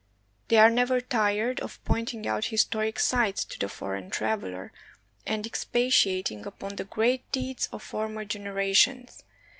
They are never tired of point ing out historic sites to the foreign traveler, and expati ating upon the great deeds of former generations.